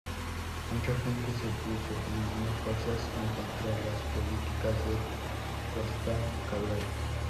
Mucha gente se opuso y unió fuerzas en contra las políticas de Costa Cabral.